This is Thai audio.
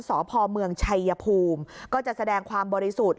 สพเมืองชัยภูมิก็จะแสดงความบริสุทธิ์